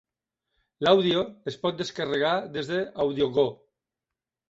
L"àudio es pot descarregar des de AudioGo.